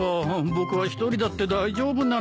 僕は一人だって大丈夫なのに。